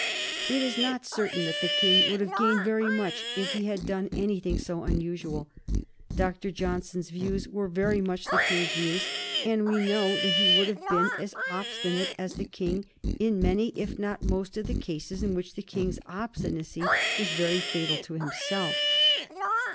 It is not certain that the King would have gained very much if he had done anything so unusual. Dr. Johnson's views were very much the King's views, and we know that he would have been as obstinate as the King in many if not most of the cases in which the King's obstinacy was very fatal to himself.